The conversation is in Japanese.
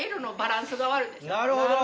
なるほど。